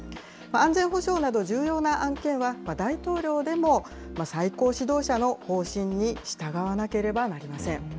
安全保障など、重要な案件は大統領でも最高指導者の方針に従わなければなりません。